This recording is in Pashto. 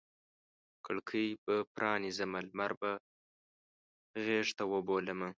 کړکۍ به پرانیزمه لمر به غیږته وبولمه